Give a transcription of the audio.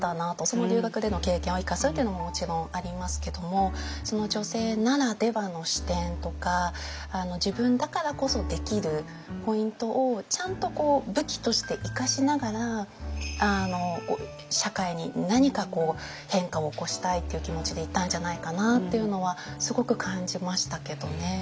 その留学での経験を生かすっていうのももちろんありますけども女性ならではの視点とか自分だからこそできるポイントをちゃんと武器として生かしながら社会に何か変化を起こしたいっていう気持ちでいたんじゃないかなっていうのはすごく感じましたけどね。